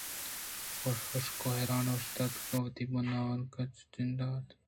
حُشک ءُحیران اوشتاتگ ءُوتی ناکناں چُنڈان اَت